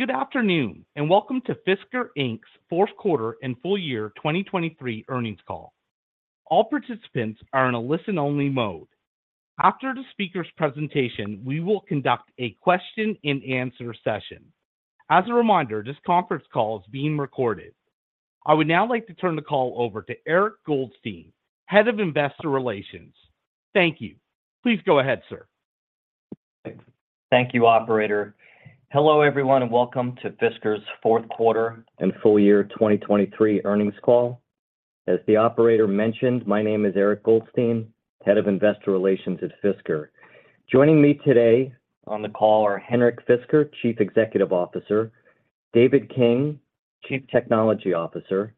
Good afternoon and welcome to Fisker Inc's Fourth Quarter and Full Year 2023 Earnings Call. All participants are in a listen-only mode. After the speaker's presentation, we will conduct a question-and-answer session. As a reminder, this conference call is being recorded. I would now like to turn the call over to Eric Goldstein, Head of Investor Relations. Thank you. Please go ahead, sir. Thank you, operator. Hello everyone and welcome to Fisker's fourth quarter and full year 2023 earnings call. As the operator mentioned, my name is Eric Goldstein, Head of Investor Relations at Fisker. Joining me today on the call are Henrik Fisker, Chief Executive Officer: David King, Chief Technology Officer;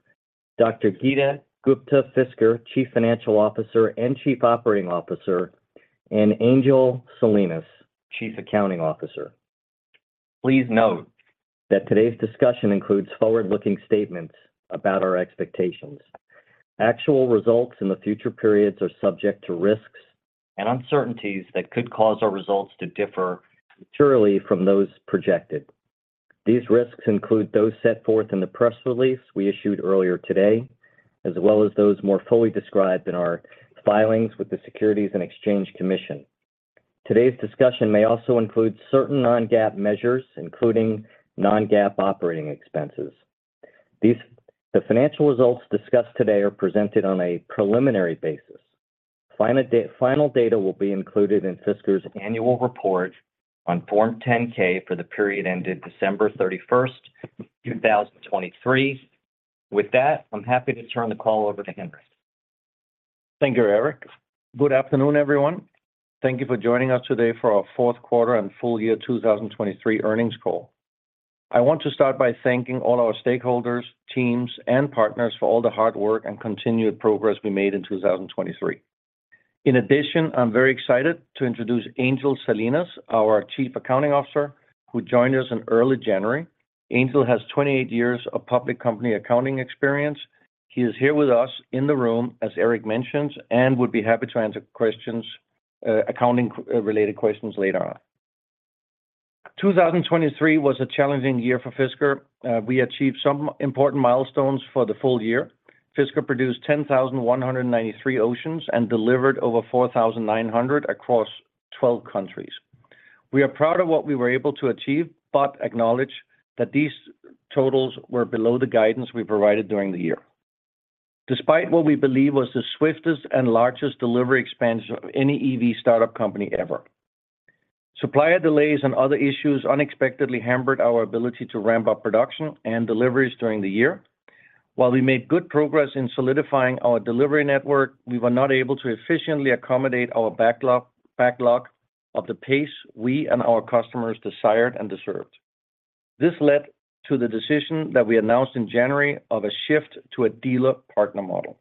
Dr. Geeta Gupta-Fisker, Chief Financial Officer and Chief Operating Officer, and Angel Salinas, Chief Accounting Officer. Please note that today's discussion includes forward-looking statements about our expectations. Actual results in the future periods are subject to risks and uncertainties that could cause our results to differ materially from those projected. These risks include those set forth in the press release we issued earlier today, as well as those more fully described in our filings with the Securities and Exchange Commission. Today's discussion may also include certain non-GAAP measures, including non-GAAP operating expenses. The financial results discussed today are presented on a preliminary basis. Final data will be included in Fisker's annual report on Form 10-K for the period ended December 31, 2023. With that, I'm happy to turn the call over to Henrik. Thank you, Eric. Good afternoon, everyone. Thank you for joining us today for our fourth quarter and full year 2023 earnings call. I want to start by thanking all our stakeholders, teams, and partners for all the hard work and continued progress we made in 2023. In addition, I'm very excited to introduce Angel Salinas, our Chief Accounting Officer, who joined us in early January. Angel has 28 years of public company accounting experience. He is here with us in the room, as Eric mentioned, and would be happy to answer accounting-related questions later on. 2023 was a challenging year for Fisker. We achieved some important milestones for the full year. Fisker produced 10,193 Oceans and delivered over 4,900 across 12 countries. We are proud of what we were able to achieve, but acknowledge that these totals were below the guidance we provided during the year, despite what we believe was the swiftest and largest delivery expansion of any EV startup company ever. Supplier delays and other issues unexpectedly hampered our ability to ramp up production and deliveries during the year. While we made good progress in solidifying our delivery network, we were not able to efficiently accommodate our backlog of the pace we and our customers desired and deserved. This led to the decision that we announced in January of a shift to a dealer-partner model.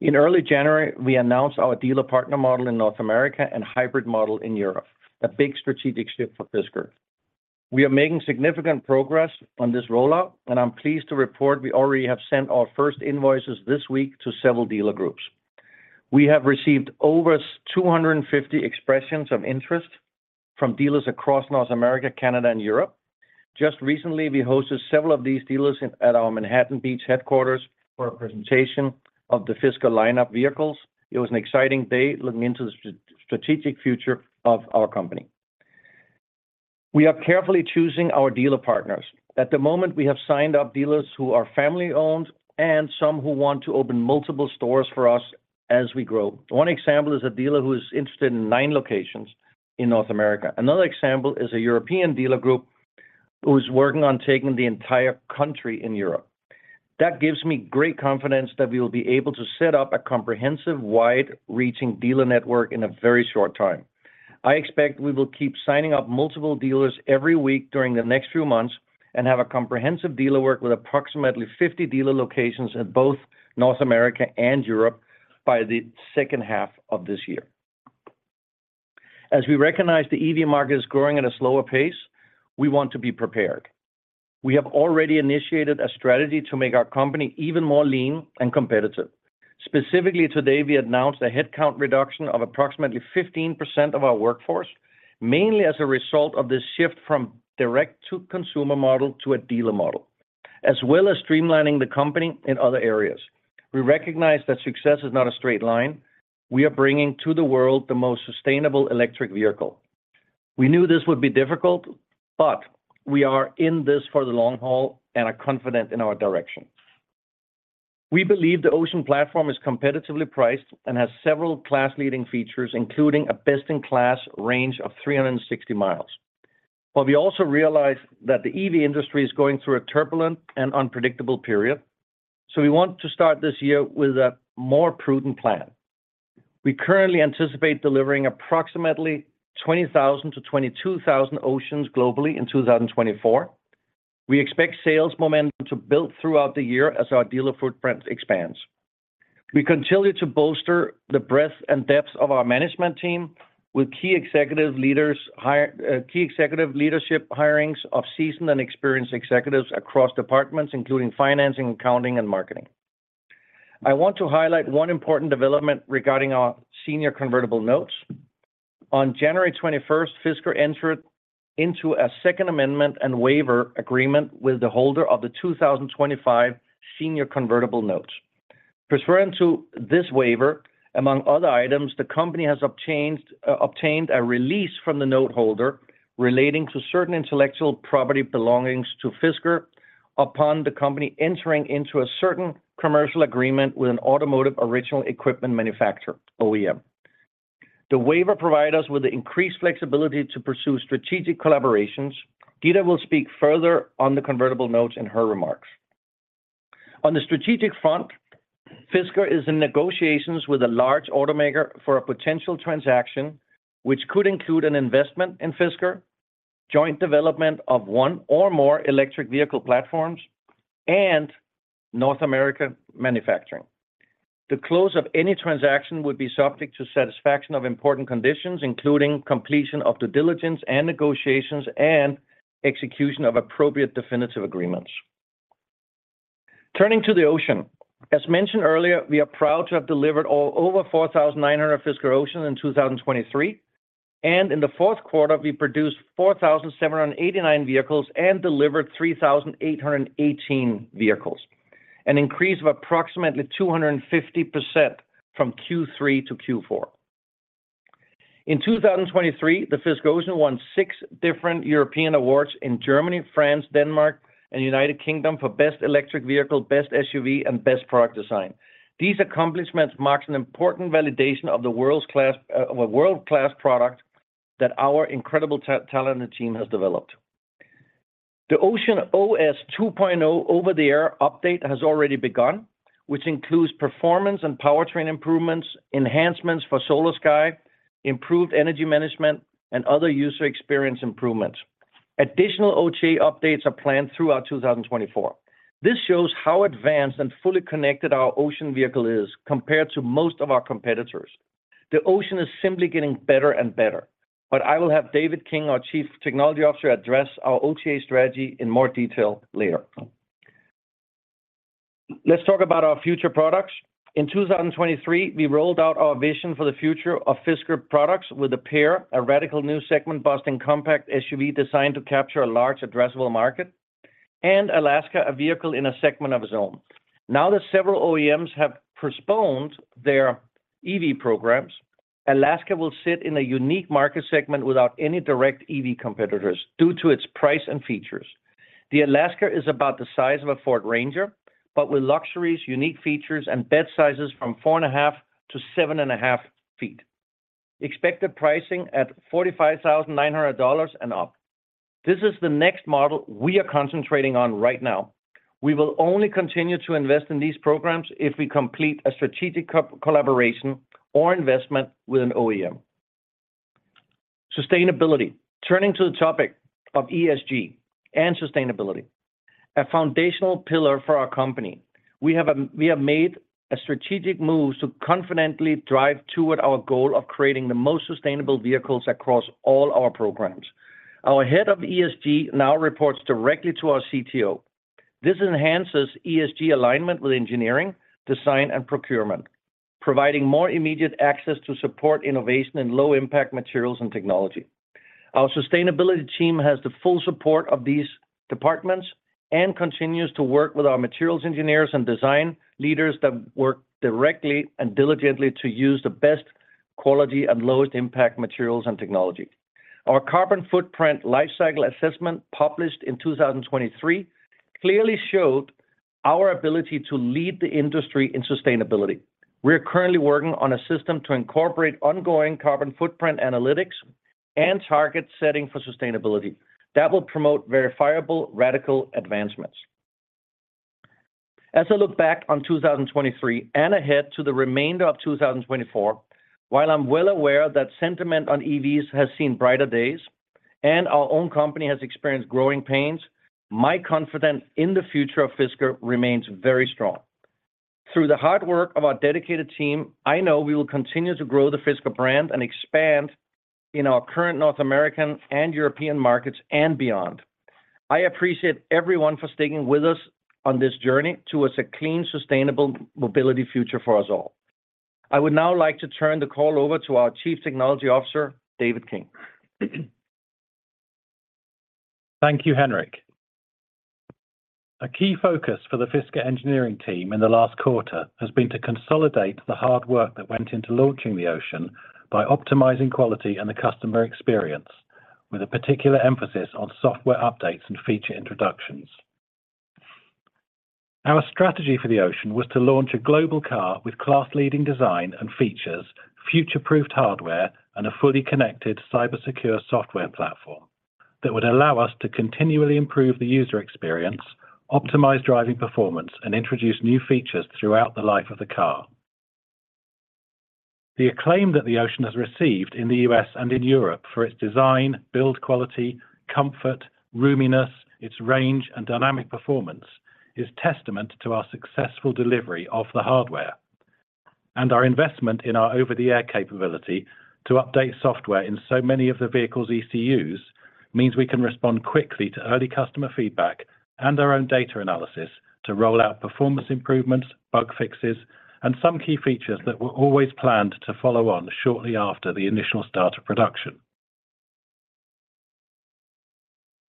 In early January, we announced our dealer-partner model in North America and hybrid model in Europe, a big strategic shift for Fisker. We are making significant progress on this rollout, and I'm pleased to report we already have sent our first invoices this week to several dealer groups. We have received over 250 expressions of interest from dealers across North America, Canada, and Europe. Just recently, we hosted several of these dealers at our Manhattan Beach headquarters for a presentation of the Fisker lineup vehicles. It was an exciting day looking into the strategic future of our company. We are carefully choosing our dealer partners. At the moment, we have signed up dealers who are family-owned and some who want to open multiple stores for us as we grow. One example is a dealer who is interested in nine locations in North America. Another example is a European dealer group who is working on taking the entire country in Europe. That gives me great confidence that we will be able to set up a comprehensive, wide-reaching dealer network in a very short time. I expect we will keep signing up multiple dealers every week during the next few months and have a comprehensive dealer work with approximately 50 dealer locations in both North America and Europe by the second half of this year. As we recognize the EV market is growing at a slower pace, we want to be prepared. We have already initiated a strategy to make our company even more lean and competitive. Specifically today, we announced a headcount reduction of approximately 15% of our workforce, mainly as a result of this shift from direct-to-consumer model to a dealer model, as well as streamlining the company in other areas. We recognize that success is not a straight line. We are bringing to the world the most sustainable electric vehicle. We knew this would be difficult, but we are in this for the long haul and are confident in our direction. We believe the Ocean platform is competitively priced and has several class-leading features, including a best-in-class range of 360 miles. But we also realize that the EV industry is going through a turbulent and unpredictable period, so we want to start this year with a more prudent plan. We currently anticipate delivering approximately 20,000-22,000 Oceans globally in 2024. We expect sales momentum to build throughout the year as our dealer footprint expands. We continue to bolster the breadth and depth of our management team with key executive leadership hirings of seasoned and experienced executives across departments, including financing, accounting, and marketing. I want to highlight one important development regarding our senior convertible notes. On January 21, Fisker entered into a second amendment and waiver agreement with the holder of the 2025 senior convertible notes. Referring to this waiver, among other items, the company has obtained a release from the noteholder relating to certain intellectual property belonging to Fisker upon the company entering into a certain commercial agreement with an automotive original equipment manufacturer, OEM. The waiver provides us with the increased flexibility to pursue strategic collaborations. Geeta will speak further on the convertible notes in her remarks. On the strategic front, Fisker is in negotiations with a large automaker for a potential transaction, which could include an investment in Fisker, joint development of one or more electric vehicle platforms, and North America manufacturing. The close of any transaction would be subject to satisfaction of important conditions, including completion of due diligence and negotiations and execution of appropriate definitive agreements. Turning to the Ocean, as mentioned earlier, we are proud to have delivered over 4,900 Fisker Oceans in 2023. In the fourth quarter, we produced 4,789 vehicles and delivered 3,818 vehicles, an increase of approximately 250% from Q3 to Q4. In 2023, the Fisker Ocean won six different European awards in Germany, France, Denmark, and the United Kingdom for Best Electric Vehicle, Best SUV, and Best Product Design. These accomplishments mark an important validation of the world-class product that our incredible talented team has developed. The Ocean OS 2.0 over-the-air update has already begun, which includes performance and powertrain improvements, enhancements for SolarSky, improved energy management, and other user experience improvements. Additional OTA updates are planned throughout 2024. This shows how advanced and fully connected our Ocean vehicle is compared to most of our competitors. The Ocean is simply getting better and better. I will have David King, our Chief Technology Officer, address our OTA strategy in more detail later. Let's talk about our future products. In 2023, we rolled out our vision for the future of Fisker products with the PEAR, a radical new segment-busting compact SUV designed to capture a large, addressable market, and Alaska, a vehicle in a segment of its own. Now that several OEMs have postponed their EV programs, Alaska will sit in a unique market segment without any direct EV competitors due to its price and features. The Alaska is about the size of a Ford Ranger, but with luxuries, unique features, and bed sizes from 4.5 to 7.5 feet. Expected pricing at $45,900 and up. This is the next model we are concentrating on right now. We will only continue to invest in these programs if we complete a strategic collaboration or investment with an OEM. Sustainability. Turning to the topic of ESG and sustainability, a foundational pillar for our company. We have made a strategic move to confidently drive toward our goal of creating the most sustainable vehicles across all our programs. Our head of ESG now reports directly to our CTO. This enhances ESG alignment with engineering, design, and procurement, providing more immediate access to support, innovation, and low-impact materials and technology. Our sustainability team has the full support of these departments and continues to work with our materials engineers and design leaders that work directly and diligently to use the best quality and lowest impact materials and technology. Our carbon footprint lifecycle assessment published in 2023 clearly showed our ability to lead the industry in sustainability. We are currently working on a system to incorporate ongoing carbon footprint analytics and target setting for sustainability that will promote verifiable radical advancements. As I look back on 2023 and ahead to the remainder of 2024, while I'm well aware that sentiment on EVs has seen brighter days and our own company has experienced growing pains, my confidence in the future of Fisker remains very strong. Through the hard work of our dedicated team, I know we will continue to grow the Fisker brand and expand in our current North American and European markets and beyond. I appreciate everyone for sticking with us on this journey towards a clean, sustainable mobility future for us all. I would now like to turn the call over to our Chief Technology Officer, David King. Thank you, Henrik. A key focus for the Fisker engineering team in the last quarter has been to consolidate the hard work that went into launching the Ocean by optimizing quality and the customer experience, with a particular emphasis on software updates and feature introductions. Our strategy for the Ocean was to launch a global car with class-leading design and features, future-proofed hardware, and a fully connected cybersecure software platform that would allow us to continually improve the user experience, optimize driving performance, and introduce new features throughout the life of the car. The acclaim that the Ocean has received in the U.S. and in Europe for its design, build quality, comfort, roominess, its range, and dynamic performance is testament to our successful delivery of the hardware. Our investment in our over-the-air capability to update software in so many of the vehicle's ECUs means we can respond quickly to early customer feedback and our own data analysis to roll out performance improvements, bug fixes, and some key features that were always planned to follow on shortly after the initial start of production.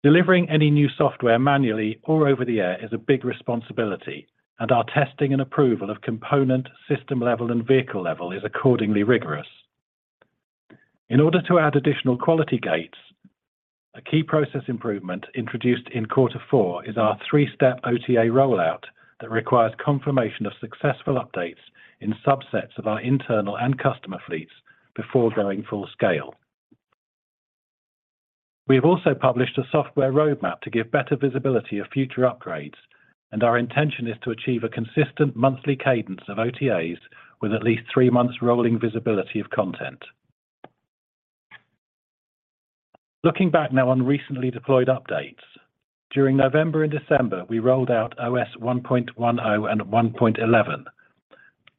Delivering any new software manually or over-the-air is a big responsibility, and our testing and approval of component system-level and vehicle-level is accordingly rigorous. In order to add additional quality gates, a key process improvement introduced in quarter four is our three-step OTA rollout that requires confirmation of successful updates in subsets of our internal and customer fleets before going full scale. We have also published a software roadmap to give better visibility of future upgrades, and our intention is to achieve a consistent monthly cadence of OTAs with at least three months' rolling visibility of content. Looking back now on recently deployed updates: during November and December, we rolled out OS 1.10 and 1.11.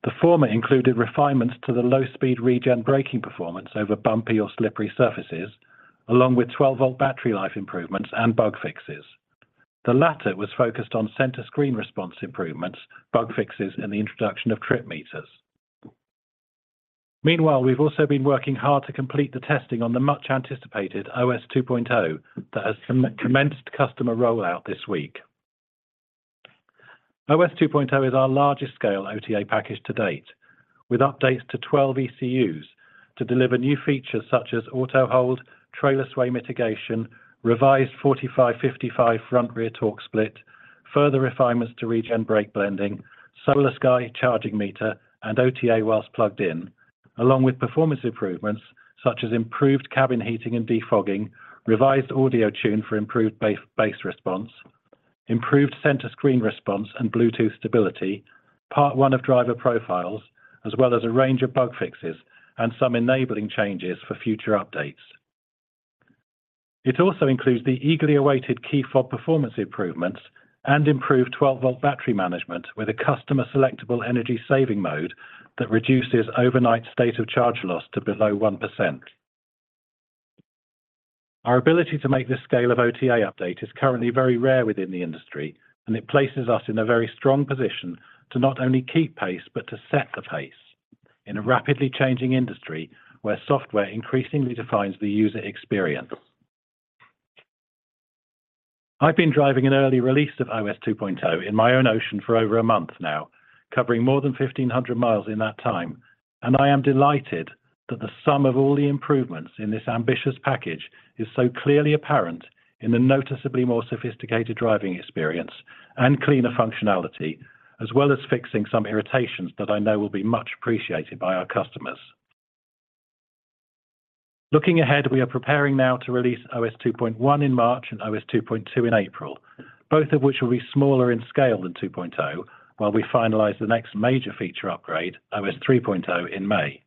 The former included refinements to the low-speed regen braking performance over bumpy or slippery surfaces, along with 12-volt battery life improvements and bug fixes. The latter was focused on center screen response improvements, bug fixes, and the introduction of trip meters. Meanwhile, we've also been working hard to complete the testing on the much-anticipated OS 2.0 that has commenced customer rollout this week. OS 2.0 is our largest-scale OTA package to date, with updates to 12 ECUs to deliver new features such as auto hold, trailer sway mitigation, revised 45/55 front-rear torque split, further refinements to regen brake blending, SolarSky charging meter, and OTA while plugged in, along with performance improvements such as improved cabin heating and defogging, revised audio tune for improved bass response, improved center screen response, and Bluetooth stability, part one of driver profiles, as well as a range of bug fixes and some enabling changes for future updates. It also includes the eagerly awaited key fob performance improvements and improved 12-volt battery management with a customer-selectable energy saving mode that reduces overnight state-of-charge loss to below 1%. Our ability to make this scale of OTA update is currently very rare within the industry, and it places us in a very strong position to not only keep pace but to set the pace in a rapidly changing industry where software increasingly defines the user experience. I've been driving an early release of OS 2.0 in my own Ocean for over a month now, covering more than 1,500 miles in that time, and I am delighted that the sum of all the improvements in this ambitious package is so clearly apparent in the noticeably more sophisticated driving experience and cleaner functionality, as well as fixing some irritations that I know will be much appreciated by our customers. Looking ahead, we are preparing now to release OS 2.1 in March and OS 2.2 in April, both of which will be smaller in scale than 2.0 while we finalize the next major feature upgrade, OS 3.0, in May.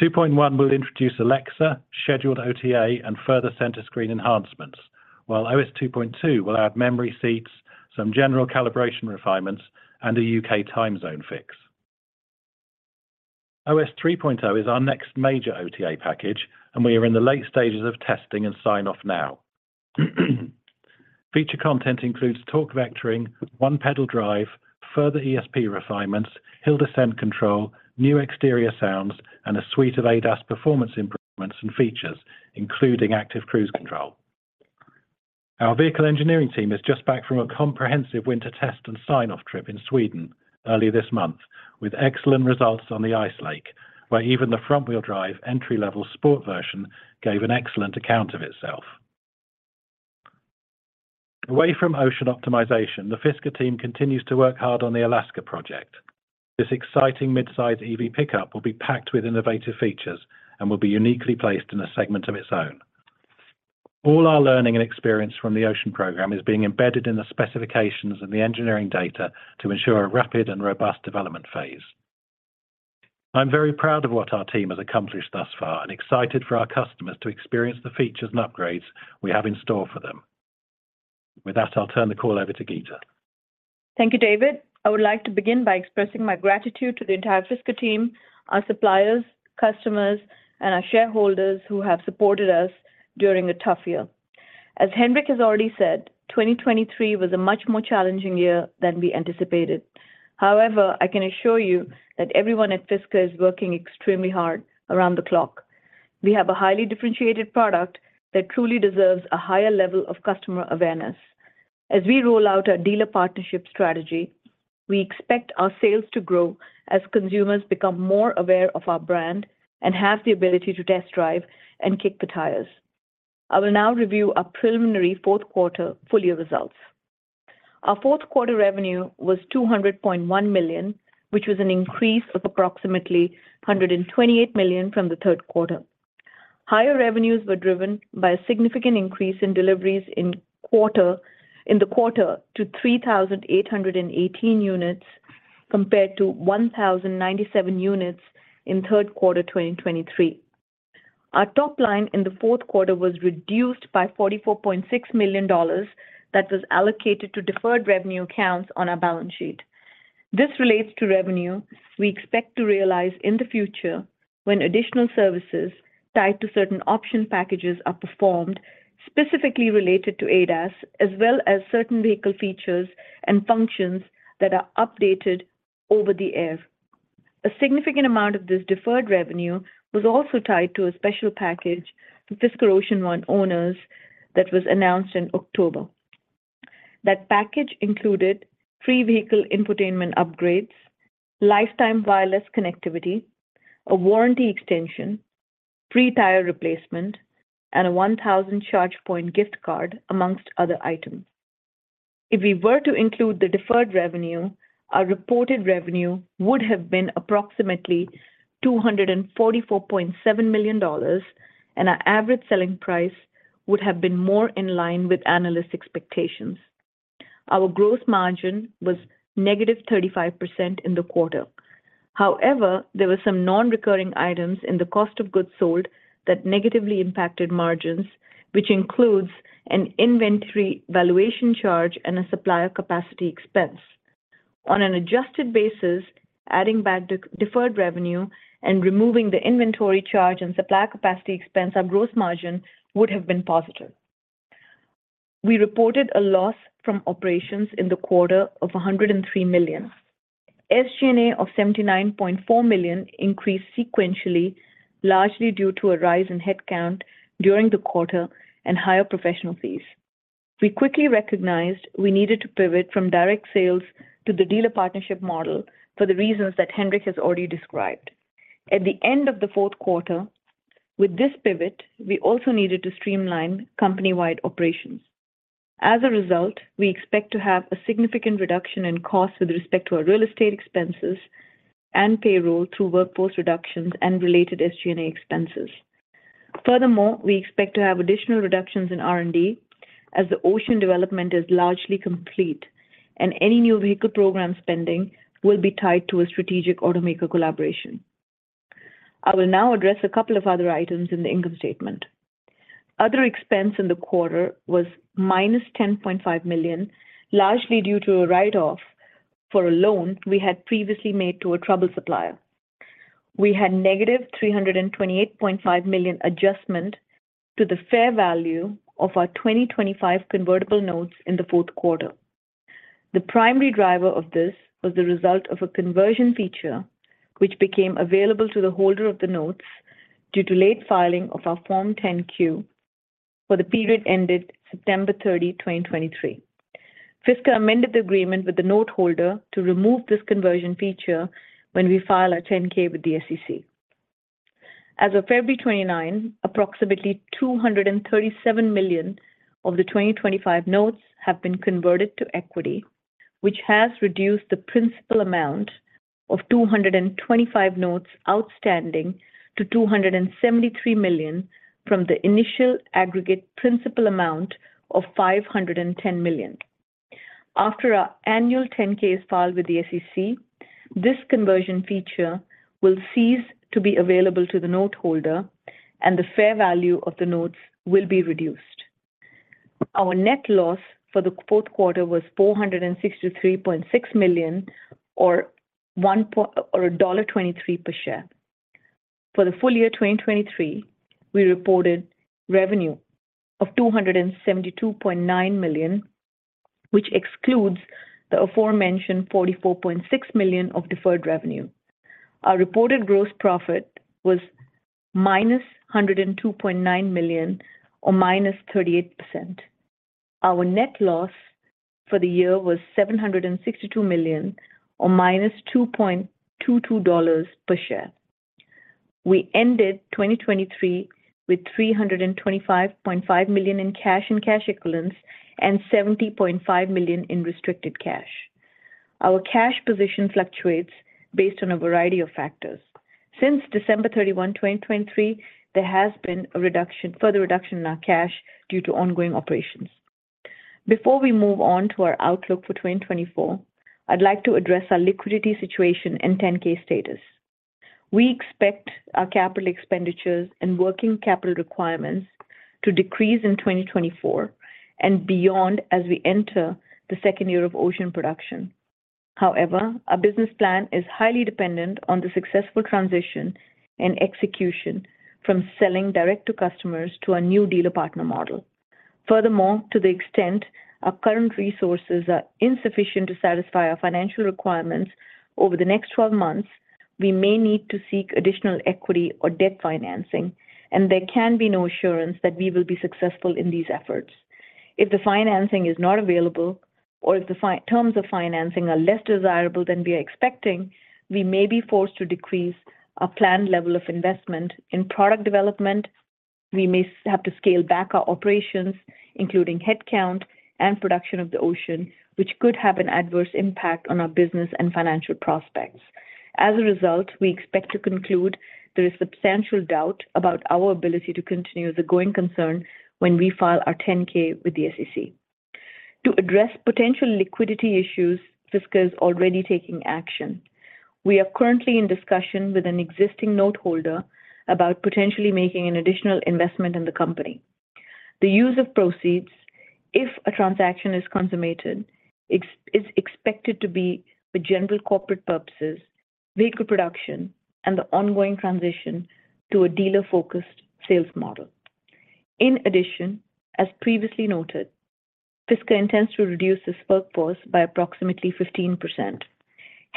2.1 will introduce Alexa, scheduled OTA, and further center screen enhancements, while OS 2.2 will add memory seats, some general calibration refinements, and a UK time zone fix. OS 3.0 is our next major OTA package, and we are in the late stages of testing and sign-off now. Feature content includes torque vectoring, one-pedal drive, further ESP refinements, hill descent control, new exterior sounds, and a suite of ADAS performance improvements and features, including active cruise control. Our vehicle engineering team is just back from a comprehensive winter test and sign-off trip in Sweden earlier this month with excellent results on the Ice Lake, where even the front-wheel drive entry-level sport version gave an excellent account of itself. Away from Ocean optimization, the Fisker team continues to work hard on the Alaska project. This exciting midsize EV pickup will be packed with innovative features and will be uniquely placed in a segment of its own. All our learning and experience from the Ocean program is being embedded in the specifications and the engineering data to ensure a rapid and robust development phase. I'm very proud of what our team has accomplished thus far and excited for our customers to experience the features and upgrades we have in store for them. With that, I'll turn the call over to Geeta. Thank you, David. I would like to begin by expressing my gratitude to the entire Fisker team, our suppliers, customers, and our shareholders who have supported us during a tough year. As Henrik has already said, 2023 was a much more challenging year than we anticipated. However, I can assure you that everyone at Fisker is working extremely hard around the clock. We have a highly differentiated product that truly deserves a higher level of customer awareness. As we roll out our dealer partnership strategy, we expect our sales to grow as consumers become more aware of our brand and have the ability to test drive and kick the tires. I will now review our preliminary fourth quarter full-year results. Our fourth quarter revenue was $200.1 million, which was an increase of approximately $128 million from the third quarter. Higher revenues were driven by a significant increase in deliveries in the quarter to 3,818 units compared to 1,097 units in third quarter 2023. Our top line in the fourth quarter was reduced by $44.6 million that was allocated to deferred revenue accounts on our balance sheet. This relates to revenue we expect to realize in the future when additional services tied to certain option packages are performed, specifically related to ADAS, as well as certain vehicle features and functions that are updated over the air. A significant amount of this deferred revenue was also tied to a special package for Fisker Ocean One owners that was announced in October. That package included free vehicle infotainment upgrades, lifetime wireless connectivity, a warranty extension, free tire replacement, and a $1,000 ChargePoint gift card, among other items. If we were to include the deferred revenue, our reported revenue would have been approximately $244.7 million, and our average selling price would have been more in line with analysts' expectations. Our gross margin was -35% in the quarter. However, there were some non-recurring items in the cost of goods sold that negatively impacted margins, which includes an inventory valuation charge and a supplier capacity expense. On an adjusted basis, adding back deferred revenue and removing the inventory charge and supplier capacity expense, our gross margin would have been positive. We reported a loss from operations in the quarter of $103 million. SG&A of $79.4 million increased sequentially, largely due to a rise in headcount during the quarter and higher professional fees. We quickly recognized we needed to pivot from direct sales to the dealer partnership model for the reasons that Henrik has already described. At the end of the fourth quarter, with this pivot, we also needed to streamline company-wide operations. As a result, we expect to have a significant reduction in costs with respect to our real estate expenses and payroll through workforce reductions and related SG&A expenses. Furthermore, we expect to have additional reductions in R&D as the Ocean development is largely complete, and any new vehicle program spending will be tied to a strategic automaker collaboration. I will now address a couple of other items in the income statement. Other expense in the quarter was -$10.5 million, largely due to a write-off for a loan we had previously made to a troubled supplier. We had -$328.5 million adjustment to the fair value of our 2025 convertible notes in the fourth quarter. The primary driver of this was the result of a conversion feature which became available to the holder of the notes due to late filing of our Form 10-Q for the period ended September 30, 2023. Fisker amended the agreement with the note holder to remove this conversion feature when we file our 10-K with the SEC. As of February 29, approximately $237 million of the 2025 notes have been converted to equity, which has reduced the principal amount of 2025 notes outstanding to $273 million from the initial aggregate principal amount of $510 million. After our annual 10-K is filed with the SEC, this conversion feature will cease to be available to the note holder, and the fair value of the notes will be reduced. Our net loss for the fourth quarter was $463.6 million or $1.23 per share. For the full year 2023, we reported revenue of $272.9 million, which excludes the aforementioned $44.6 million of deferred revenue. Our reported gross profit was -$102.9 million or -38%. Our net loss for the year was $762 million or -$2.22 per share. We ended 2023 with $325.5 million in cash in cash equivalents and $70.5 million in restricted cash. Our cash position fluctuates based on a variety of factors. Since December 31, 2023, there has been a further reduction in our cash due to ongoing operations. Before we move on to our outlook for 2024, I'd like to address our liquidity situation and 10-K status. We expect our capital expenditures and working capital requirements to decrease in 2024 and beyond as we enter the second year of Ocean production. However, our business plan is highly dependent on the successful transition and execution from selling direct to customers to our new dealer partner model. Furthermore, to the extent our current resources are insufficient to satisfy our financial requirements over the next 12 months, we may need to seek additional equity or debt financing, and there can be no assurance that we will be successful in these efforts. If the financing is not available or if the terms of financing are less desirable than we are expecting, we may be forced to decrease our planned level of investment in product development. We may have to scale back our operations, including headcount and production of the Ocean, which could have an adverse impact on our business and financial prospects. As a result, we expect to conclude there is substantial doubt about our ability to continue as a going concern when we file our 10-K with the SEC. To address potential liquidity issues, Fisker is already taking action. We are currently in discussion with an existing note holder about potentially making an additional investment in the company. The use of proceeds, if a transaction is consummated, is expected to be for general corporate purposes, vehicle production, and the ongoing transition to a dealer-focused sales model. In addition, as previously noted, Fisker intends to reduce the headcount by approximately 15%.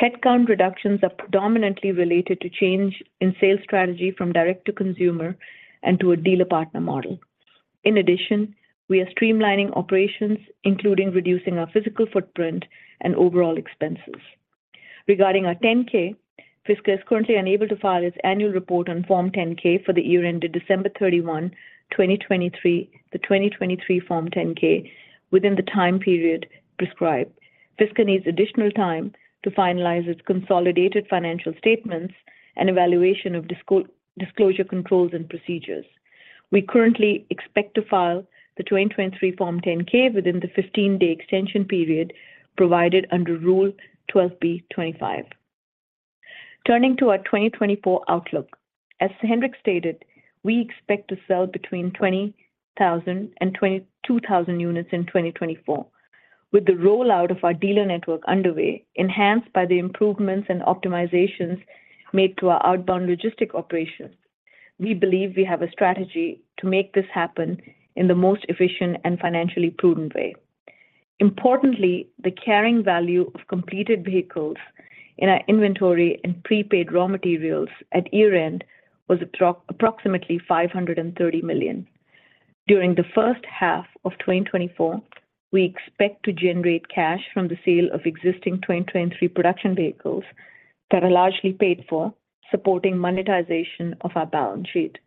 Headcount reductions are predominantly related to change in sales strategy from direct to consumer and to a dealer partner model. In addition, we are streamlining operations, including reducing our physical footprint and overall expenses. Regarding our 10-K, Fisker is currently unable to file its annual report on Form 10-K for the year ended December 31, 2023, the 2023 Form 10-K, within the time period prescribed. Fisker needs additional time to finalize its consolidated financial statements and evaluation of disclosure controls and procedures. We currently expect to file the 2023 Form 10-K within the 15-day extension period provided under Rule 12b-25. Turning to our 2024 outlook, as Henrik stated, we expect to sell between 20,000 and 22,000 units in 2024. With the rollout of our dealer network underway, enhanced by the improvements and optimizations made to our outbound logistic operations, we believe we have a strategy to make this happen in the most efficient and financially prudent way. Importantly, the carrying value of completed vehicles in our inventory and prepaid raw materials at year-end was approximately $530 million. During the first half of 2024, we expect to generate cash from the sale of existing 2023 production vehicles that are largely paid for, supporting monetization of our balance sheet.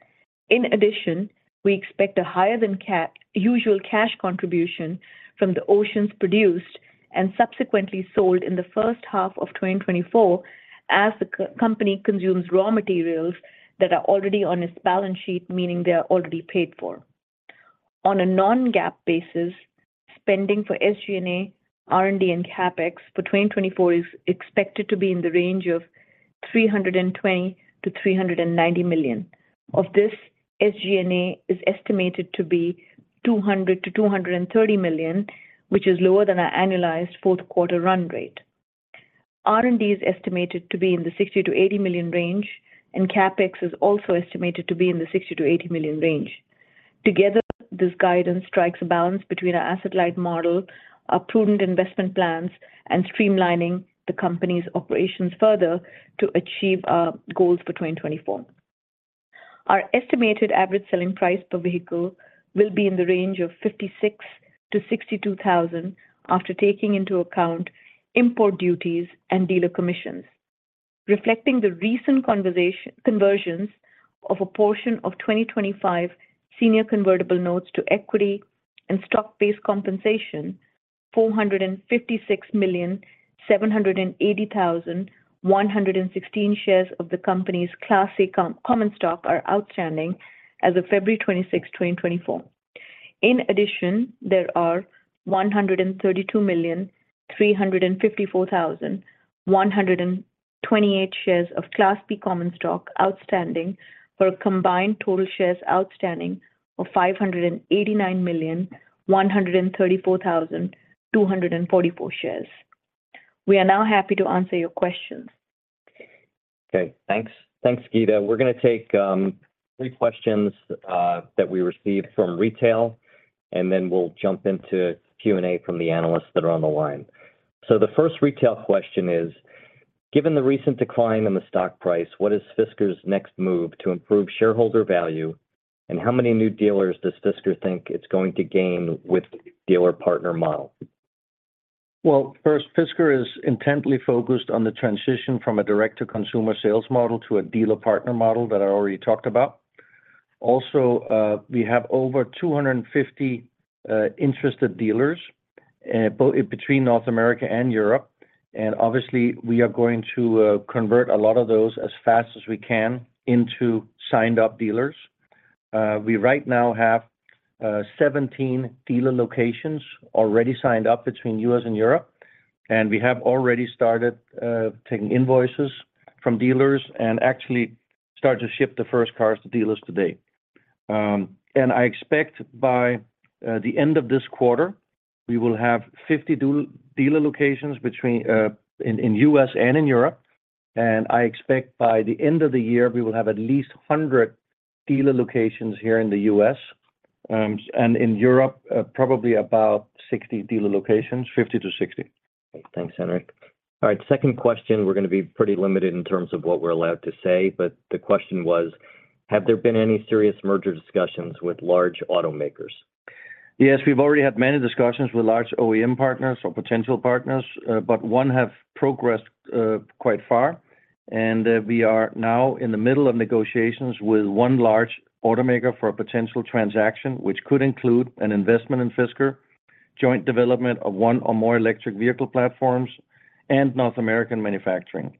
In addition, we expect a higher-than-usual cash contribution from the Oceans produced and subsequently sold in the first half of 2024 as the company consumes raw materials that are already on its balance sheet, meaning they are already paid for. On a non-GAAP basis, spending for SG&A, R&D, and CapEx for 2024 is expected to be in the range of $320-$390 million. Of this, SG&A is estimated to be $200-$230 million, which is lower than our annualized fourth quarter run rate. R&D is estimated to be in the $60-$80 million range, and CapEx is also estimated to be in the $60-$80 million range. Together, this guidance strikes a balance between our asset-light model, our prudent investment plans, and streamlining the company's operations further to achieve our goals for 2024. Our estimated average selling price per vehicle will be in the range of $56,000-$62,000 after taking into account import duties and dealer commissions. Reflecting the recent conversions of a portion of 2025 senior convertible notes to equity and stock-based compensation, 456,780,116 shares of the company's Class A common stock are outstanding as of February 26, 2024. In addition, there are 132,354,128 shares of Class B common stock outstanding for a combined total shares outstanding of 589,134,244 shares. We are now happy to answer your questions. Okay. Thanks. Thanks, Geeta. We're going to take three questions that we received from retail, and then we'll jump into Q&A from the analysts that are on the line. So the first retail question is, given the recent decline in the stock price, what is Fisker's next move to improve shareholder value, and how many new dealers does Fisker think it's going to gain with the dealer partner model? Well, first, Fisker is intently focused on the transition from a direct-to-consumer sales model to a dealer partner model that I already talked about. Also, we have over 250 interested dealers between North America and Europe, and obviously, we are going to convert a lot of those as fast as we can into signed-up dealers. We right now have 17 dealer locations already signed up between the U.S. and Europe, and we have already started taking invoices from dealers and actually started to ship the first cars to dealers today. I expect by the end of this quarter, we will have 50 dealer locations in the U.S. and in Europe, and I expect by the end of the year, we will have at least 100 dealer locations here in the U.S. and in Europe, probably about 60 dealer locations, 50 to 60. Okay. Thanks, Henrik. All right. Second question, we're going to be pretty limited in terms of what we're allowed to say, but the question was, have there been any serious merger discussions with large automakers? Yes. We've already had many discussions with large OEM partners or potential partners, but one has progressed quite far, and we are now in the middle of negotiations with one large automaker for a potential transaction, which could include an investment in Fisker, joint development of one or more electric vehicle platforms, and North American manufacturing.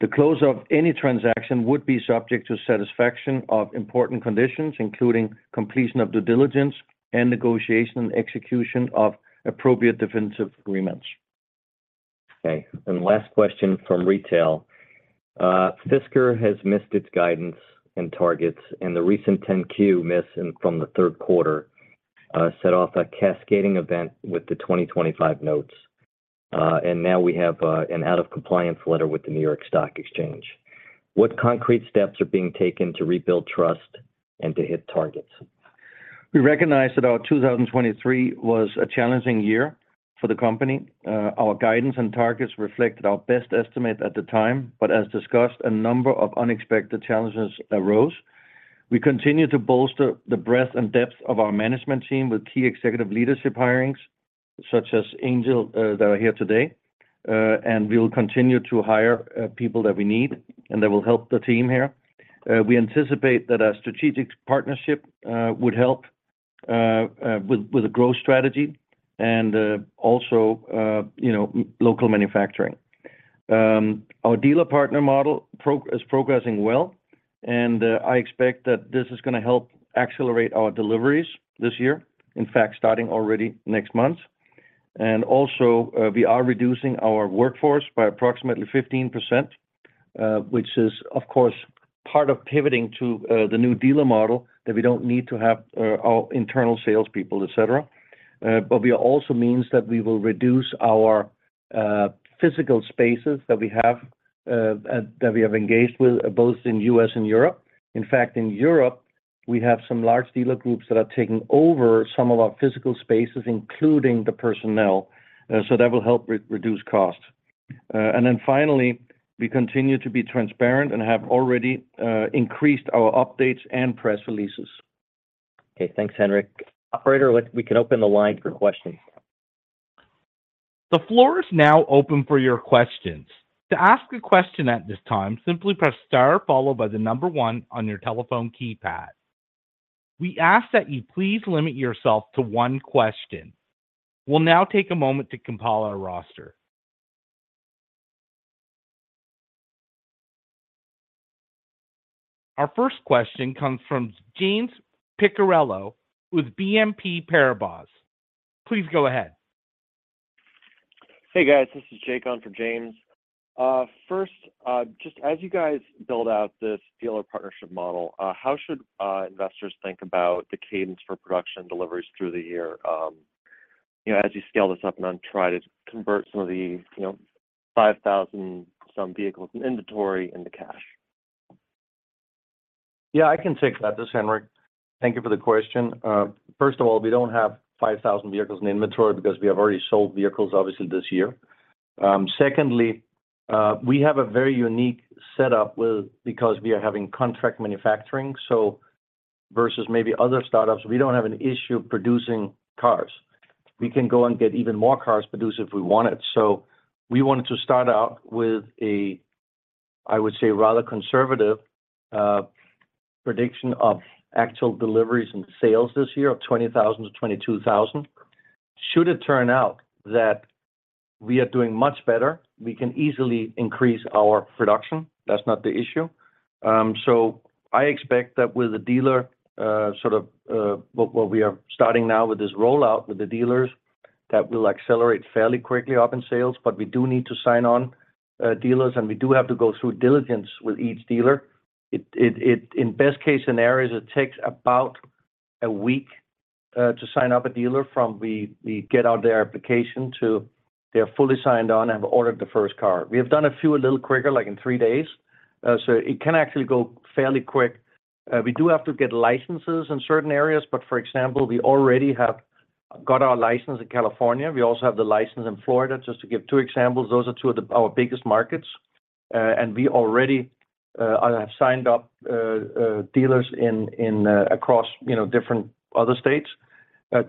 The close of any transaction would be subject to satisfaction of important conditions, including completion of due diligence and negotiation and execution of appropriate definitive agreements. Okay. And last question from retail. Fisker has missed its guidance and targets, and the recent 10-Q miss from the third quarter set off a cascading event with the 2025 notes, and now we have an out-of-compliance letter with the New York Stock Exchange. What concrete steps are being taken to rebuild trust and to hit targets? We recognize that our 2023 was a challenging year for the company. Our guidance and targets reflected our best estimate at the time, but as discussed, a number of unexpected challenges arose. We continue to bolster the breadth and depth of our management team with key executive leadership hirings such as Angel that are here today, and we will continue to hire people that we need and that will help the team here. We anticipate that our strategic partnership would help with a growth strategy and also local manufacturing. Our dealer partner model is progressing well, and I expect that this is going to help accelerate our deliveries this year, in fact, starting already next month. And also, we are reducing our workforce by approximately 15%, which is, of course, part of pivoting to the new dealer model that we don't need to have our internal salespeople, etc. But this also means that we will reduce our physical spaces that we have engaged with both in the U.S. and Europe. In fact, in Europe, we have some large dealer groups that are taking over some of our physical spaces, including the personnel, so that will help reduce costs. And then finally, we continue to be transparent and have already increased our updates and press releases. Okay. Thanks, Henrik. Operator, we can open the line for questions. The floor is now open for your questions. To ask a question at this time, simply press star followed by the number one on your telephone keypad. We ask that you please limit yourself to one question. We'll now take a moment to compile our roster. Our first question comes from James Picariello with BNP Paribas. Please go ahead. Hey, guys. This is Jake on for James. First, just as you guys build out this dealer partnership model, how should investors think about the cadence for production deliveries through the year as you scale this up and try to convert some of the 5,000-some vehicles in inventory into cash? Yeah, I can take that, this, Henrik. Thank you for the question. First of all, we don't have 5,000 vehicles in inventory because we have already sold vehicles, obviously, this year. Secondly, we have a very unique setup because we are having contract manufacturing, so versus maybe other startups, we don't have an issue producing cars. We can go and get even more cars produced if we want it. So we wanted to start out with a, I would say, rather conservative prediction of actual deliveries and sales this year of 20,000-22,000. Should it turn out that we are doing much better, we can easily increase our production. That's not the issue. So I expect that with the dealer sort of what we are starting now with this rollout with the dealers, that we'll accelerate fairly quickly up in sales. But we do need to sign on dealers, and we do have to go through diligence with each dealer. In best-case scenarios, it takes about a week to sign up a dealer from we get out their application to they're fully signed on and have ordered the first car. We have done a few a little quicker, like in three days. So it can actually go fairly quick. We do have to get licenses in certain areas, but for example, we already have got our license in California. We also have the license in Florida, just to give two examples. Those are two of our biggest markets. We already have signed up dealers across different other states.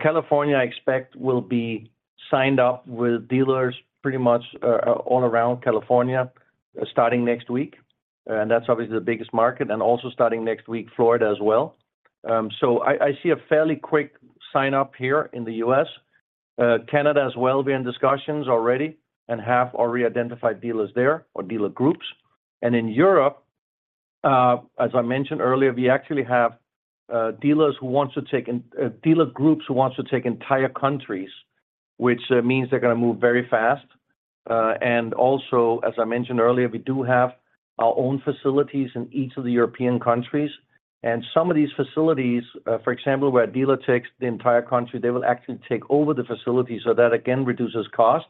California, I expect, will be signed up with dealers pretty much all around California starting next week. That's obviously the biggest market, and also starting next week, Florida as well. I see a fairly quick sign-up here in the U.S. Canada as well, we're in discussions already and have already identified dealers there or dealer groups. In Europe, as I mentioned earlier, we actually have dealers who want to take dealer groups who want to take entire countries, which means they're going to move very fast. Also, as I mentioned earlier, we do have our own facilities in each of the European countries. Some of these facilities, for example, where a dealer takes the entire country, they will actually take over the facilities. So that, again, reduces cost,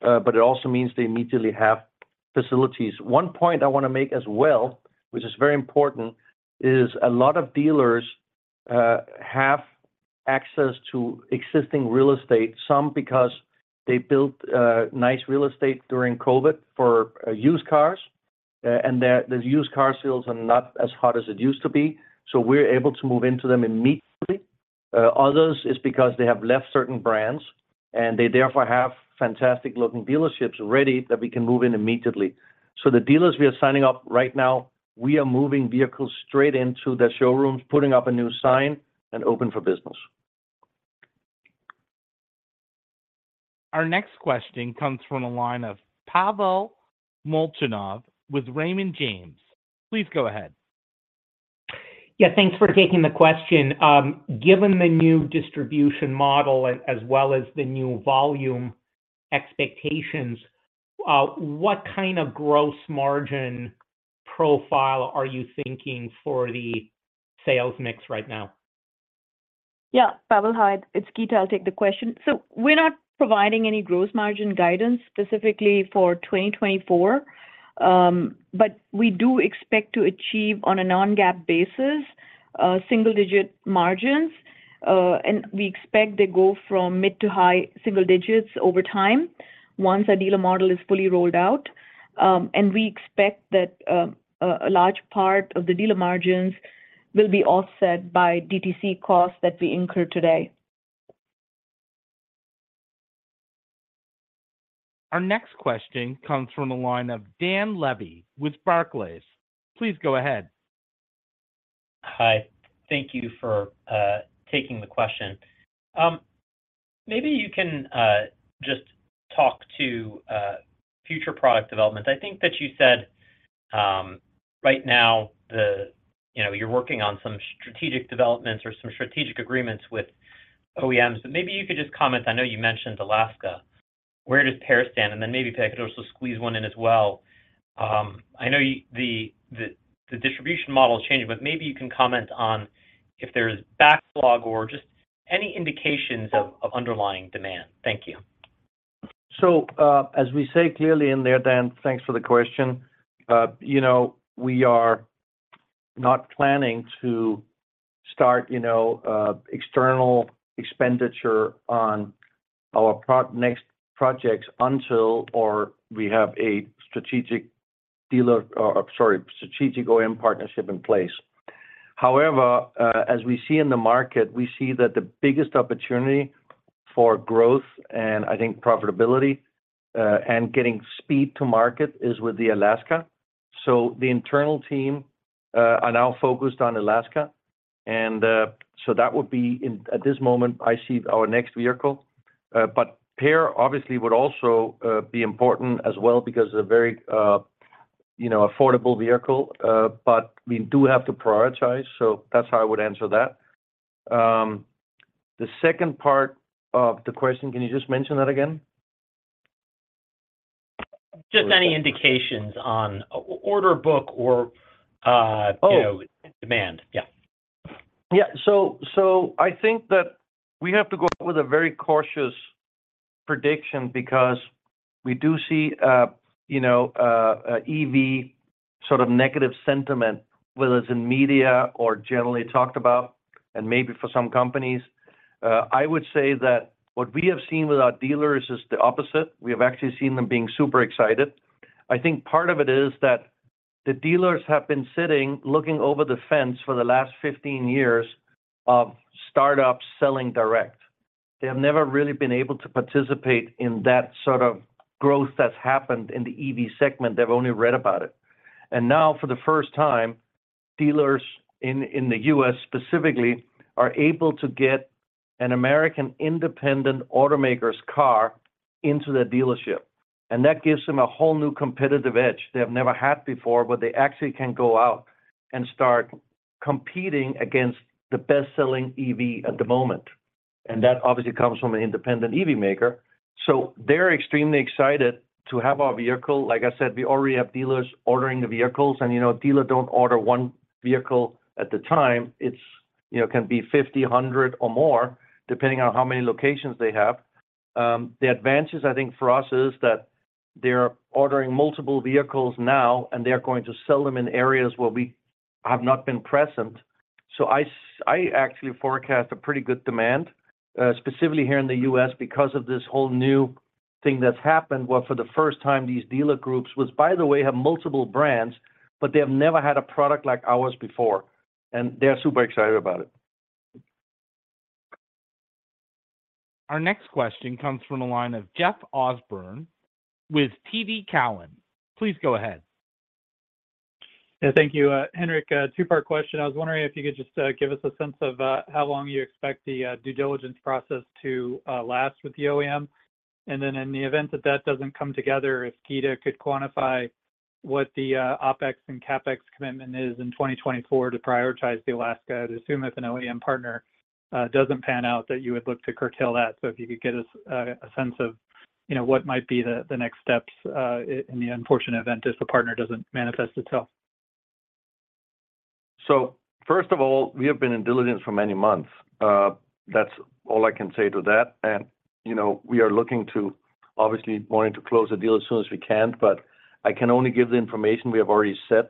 but it also means they immediately have facilities. One point I want to make as well, which is very important, is a lot of dealers have access to existing real estate, some because they built nice real estate during COVID for used cars, and the used car sales are not as hot as it used to be. So we're able to move into them immediately. Others is because they have left certain brands, and they therefore have fantastic-looking dealerships ready that we can move in immediately. So the dealers we are signing up right now, we are moving vehicles straight into the showrooms, putting up a new sign, and open for business. Our next question comes from a line of Pavel Molchanov with Raymond James. Please go ahead. Yeah. Thanks for taking the question. Given the new distribution model as well as the new volume expectations, what kind of gross margin profile are you thinking for the sales mix right now? Yeah. Pavel, hi, it's Geeta. I'll take the question. So we're not providing any gross margin guidance specifically for 2024, but we do expect to achieve on a non-GAAP basis single-digit margins, and we expect they go from mid to high single digits over time once our dealer model is fully rolled out. And we expect that a large part of the dealer margins will be offset by DTC costs that we incur today. Our next question comes from a line of Dan Levy with Barclays. Please go ahead. Hi. Thank you for taking the question. Maybe you can just talk to future product development. I think that you said right now you're working on some strategic developments or some strategic agreements with OEMs, but maybe you could just comment. I know you mentioned Alaska. Where does PEAR stand? And then maybe if I could also squeeze one in as well. I know the distribution model is changing, but maybe you can comment on if there's backlog or just any indications of underlying demand. Thank you. So as we say clearly in there, Dan, thanks for the question. We are not planning to start external expenditure on our next projects until we have a strategic dealer or, sorry, strategic OEM partnership in place. However, as we see in the market, we see that the biggest opportunity for growth and, I think, profitability and getting speed to market is with the Alaska. So the internal team are now focused on Alaska. And so that would be at this moment, I see our next vehicle. But PEAR, obviously, would also be important as well because it's a very affordable vehicle, but we do have to prioritize. So that's how I would answer that. The second part of the question, can you just mention that again? Just any indications on order book or demand. Yeah. Yeah. So I think that we have to go with a very cautious prediction because we do see an EV sort of negative sentiment, whether it's in media or generally talked about and maybe for some companies. I would say that what we have seen with our dealers is the opposite. We have actually seen them being super excited. I think part of it is that the dealers have been sitting looking over the fence for the last 15 years of startups selling direct. They have never really been able to participate in that sort of growth that's happened in the EV segment. They've only read about it. And now, for the first time, dealers in the U.S. specifically are able to get an American independent automaker's car into their dealership. And that gives them a whole new competitive edge they have never had before, where they actually can go out and start competing against the best-selling EV at the moment. And that obviously comes from an independent EV maker. So they're extremely excited to have our vehicle. Like I said, we already have dealers ordering the vehicles. And dealers don't order one vehicle at the time. It can be 50, 100, or more, depending on how many locations they have. The advantage, I think, for us is that they're ordering multiple vehicles now, and they're going to sell them in areas where we have not been present. So I actually forecast a pretty good demand, specifically here in the U.S., because of this whole new thing that's happened where, for the first time, these dealer groups, which, by the way, have multiple brands, but they have never had a product like ours before. And they're super excited about it. Our next question comes from a line of Jeff Osborne with TD Cowen. Please go ahead. Yeah. Thank you, Henrik. Two-part question. I was wondering if you could just give us a sense of how long you expect the due diligence process to last with the OEM. Then in the event that that doesn't come together, if Geeta could quantify what the OpEx and CapEx commitment is in 2024 to prioritize the Alaska, I'd assume if an OEM partner doesn't pan out that you would look to curtail that. If you could get us a sense of what might be the next steps in the unfortunate event if the partner doesn't manifest itself. First of all, we have been in diligence for many months. That's all I can say to that. We are looking to, obviously, wanting to close a deal as soon as we can. But I can only give the information we have already said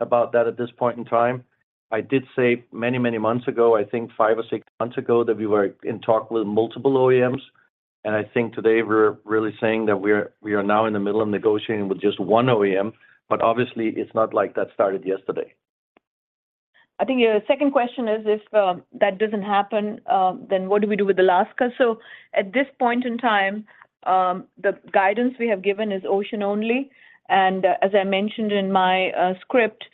about that at this point in time. I did say many, many months ago, I think five or six months ago, that we were in talks with multiple OEMs. I think today, we're really saying that we are now in the middle of negotiating with just one OEM. But obviously, it's not like that started yesterday. I think your second question is, if that doesn't happen, then what do we do with Alaska? So at this point in time, the guidance we have given is Ocean-only. And as I mentioned in my script,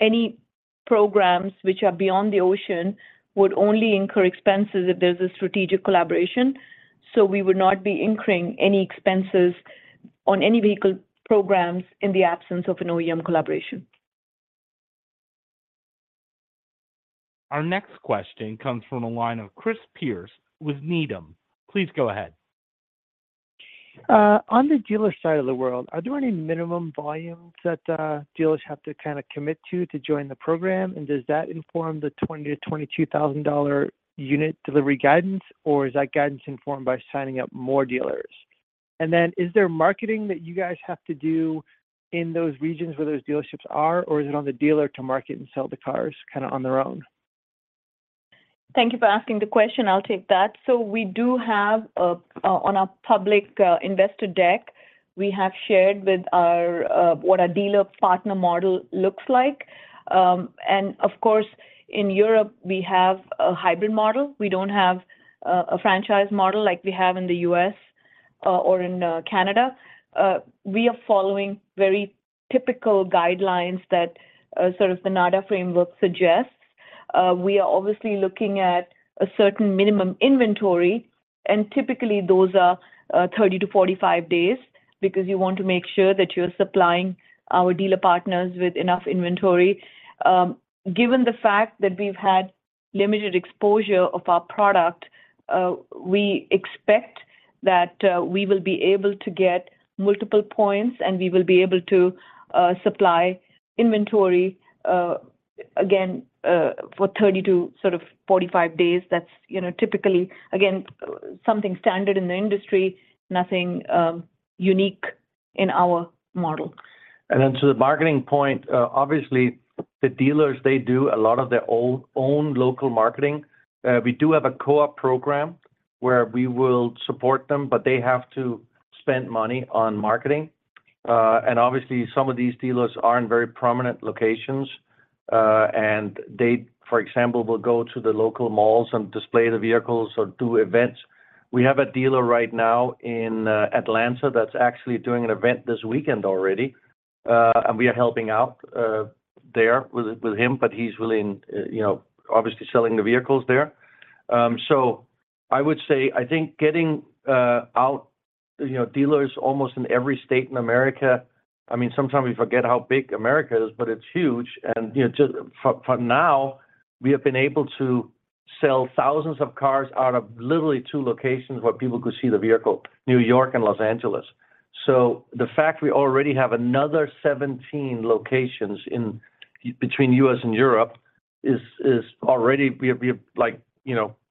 any programs which are beyond the Ocean would only incur expenses if there's a strategic collaboration. So we would not be incurring any expenses on any vehicle programs in the absence of an OEM collaboration. Your next question comes from a line of Chris Pierce with Needham. Please go ahead. On the dealer side of the world, are there any minimum volumes that dealers have to kind of commit to to join the program? Does that inform the $20,000 to $22,000 unit delivery guidance, or is that guidance informed by signing up more dealers? And then is there marketing that you guys have to do in those regions where those dealerships are, or is it on the dealer to market and sell the cars kind of on their own? Thank you for asking the question. I'll take that. So we do have on our public investor deck, we have shared with what our dealer partner model looks like. And of course, in Europe, we have a hybrid model. We don't have a franchise model like we have in the U.S. or in Canada. We are following very typical guidelines that sort of the NADA framework suggests. We are obviously looking at a certain minimum inventory. Typically, those are 30 to 45 days because you want to make sure that you're supplying our dealer partners with enough inventory. Given the fact that we've had limited exposure of our product, we expect that we will be able to get multiple points, and we will be able to supply inventory, again, for 30 to sort of 45 days. That's typically, again, something standard in the industry, nothing unique in our model. Then to the marketing point, obviously, the dealers, they do a lot of their own local marketing. We do have a co-op program where we will support them, but they have to spend money on marketing. Obviously, some of these dealers are in very prominent locations. They, for example, will go to the local malls and display the vehicles or do events. We have a dealer right now in Atlanta that's actually doing an event this weekend already. We are helping out there with him, but he's really obviously selling the vehicles there. So I would say I think getting our dealers almost in every state in America. I mean, sometimes we forget how big America is, but it's huge. And just for now, we have been able to sell thousands of cars out of literally two locations where people could see the vehicle: New York and Los Angeles. So the fact we already have another 17 locations between the U.S. and Europe is already we have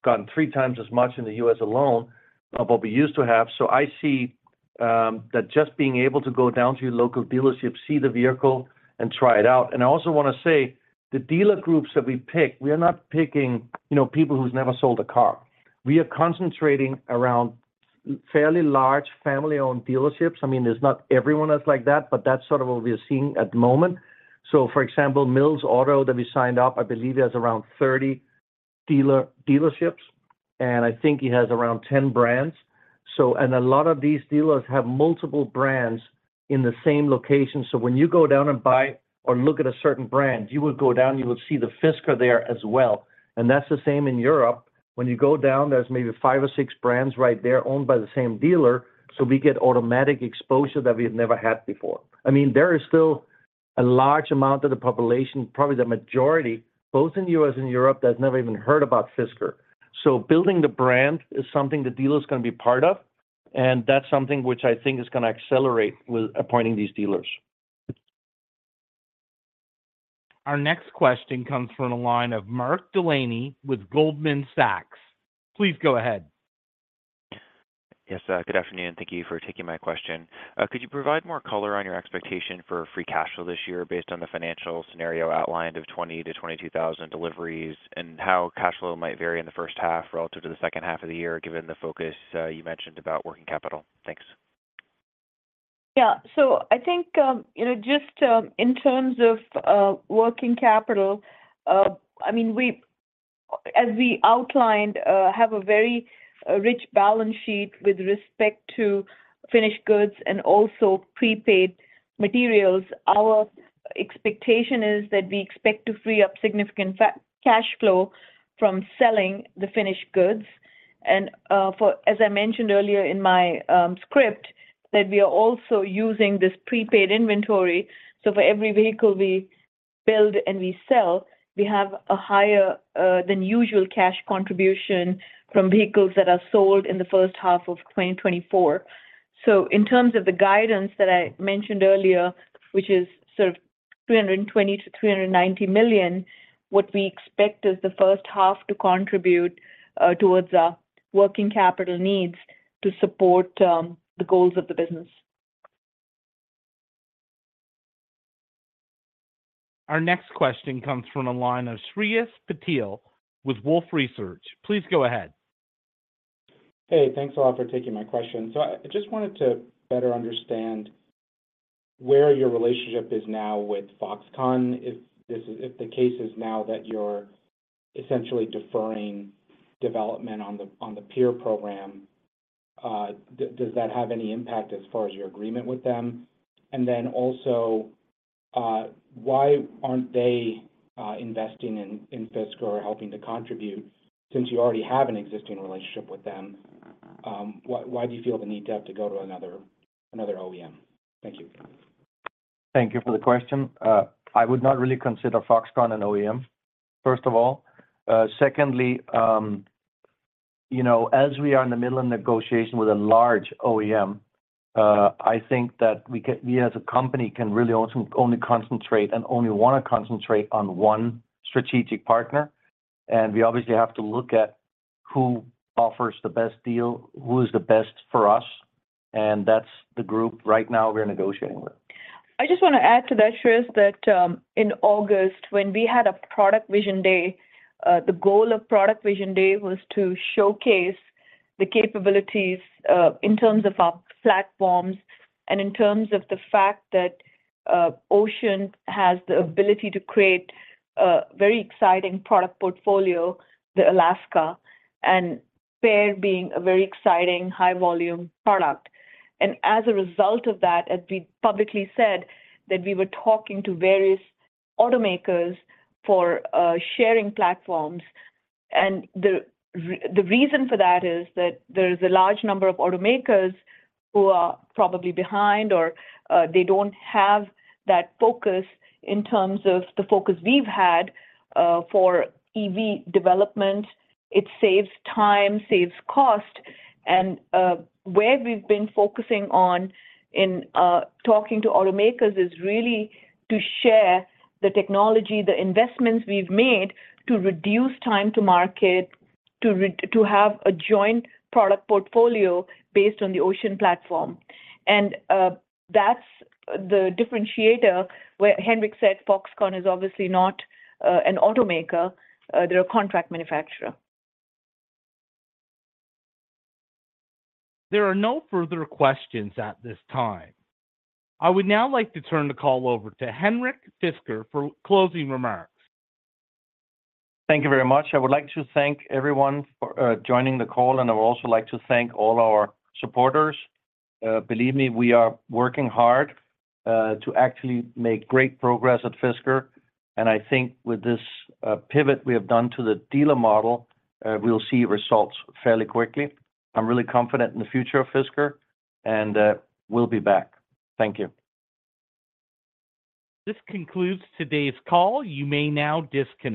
gotten three times as much in the U.S. alone of what we used to have. So I see that just being able to go down to your local dealership, see the vehicle, and try it out. I also want to say the dealer groups that we pick, we are not picking people who's never sold a car. We are concentrating around fairly large family-owned dealerships. I mean, it's not everyone is like that, but that's sort of what we are seeing at the moment. So for example, Mills Auto that we signed up, I believe he has around 30 dealerships. And I think he has around 10 brands. And a lot of these dealers have multiple brands in the same location. So when you go down and buy or look at a certain brand, you will go down, you will see the Fisker there as well. And that's the same in Europe. When you go down, there's maybe five or six brands right there owned by the same dealer. So we get automatic exposure that we have never had before. I mean, there is still a large amount of the population, probably the majority, both in the U.S. and Europe, that's never even heard about Fisker. So building the brand is something the dealer is going to be part of. And that's something which I think is going to accelerate with appointing these dealers. Our next question comes from a line of Mark Delaney with Goldman Sachs. Please go ahead. Yes. Good afternoon. Thank you for taking my question. Could you provide more color on your expectation for free cash flow this year based on the financial scenario outlined of 20,000 to 22,000 deliveries and how cash flow might vary in the first half relative to the second half of the year given the focus you mentioned about working capital? Thanks. Yeah. So I think just in terms of working capital, I mean, as we outlined, have a very rich balance sheet with respect to finished goods and also prepaid materials. Our expectation is that we expect to free up significant cash flow from selling the finished goods. And as I mentioned earlier in my script, that we are also using this prepaid inventory. So for every vehicle we build and we sell, we have a higher than usual cash contribution from vehicles that are sold in the first half of 2024. So in terms of the guidance that I mentioned earlier, which is sort of $320 million-$390 million, what we expect is the first half to contribute towards our working capital needs to support the goals of the business. Our next question comes from a line of Shreyas Patil with Wolfe Research. Please go ahead. Hey. Thanks a lot for taking my question. So I just wanted to better understand where your relationship is now with Foxconn, if the case is now that you're essentially deferring development on the PEAR program. Does that have any impact as far as your agreement with them? And then also, why aren't they investing in Fisker or helping to contribute since you already have an existing relationship with them? Why do you feel the need to have to go to another OEM? Thank you. Thank you for the question. I would not really consider Foxconn an OEM, first of all. Secondly, as we are in the middle of negotiation with a large OEM, I think that we, as a company, can really only concentrate and only want to concentrate on one strategic partner. We obviously have to look at who offers the best deal, who is the best for us. And that's the group right now we're negotiating with. I just want to add to that, Shreyas, that in August, when we had a Product Vision Day, the goal of Product Vision Day was to showcase the capabilities in terms of our platforms and in terms of the fact that Ocean has the ability to create a very exciting product portfolio, the Alaska, and PEAR being a very exciting, high-volume product. And as a result of that, as we publicly said, that we were talking to various automakers for sharing platforms. And the reason for that is that there is a large number of automakers who are probably behind, or they don't have that focus in terms of the focus we've had for EV development. It saves time, saves cost. And where we've been focusing on in talking to automakers is really to share the technology, the investments we've made to reduce time to market, to have a joint product portfolio based on the Ocean platform. And that's the differentiator where Henrik said Foxconn is obviously not an automaker. They're a contract manufacturer. There are no further questions at this time. I would now like to turn the call over to Henrik Fisker for closing remarks. Thank you very much. I would like to thank everyone for joining the call. And I would also like to thank all our supporters. Believe me, we are working hard to actually make great progress at Fisker. And I think with this pivot we have done to the dealer model, we'll see results fairly quickly. I'm really confident in the future of Fisker. And we'll be back. Thank you. This concludes today's call. You may now disconnect.